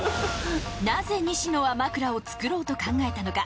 なぜ西野は枕を作ろうと考えたのか？